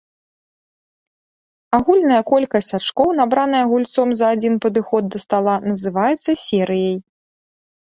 Агульная колькасць ачкоў, набраная гульцом за адзін падыход да стала, называецца серыяй.